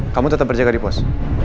kamu tetap berjaga di pos